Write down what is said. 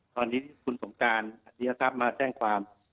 ตอนนี้คุณสงการอัฐียศาสตร์มาแจ้งความ